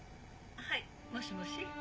☎はいもしもし？